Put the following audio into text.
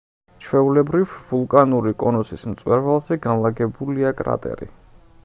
ჩვეულებრივ ვულკანური კონუსის მწვერვალზე განლაგებულია კრატერი.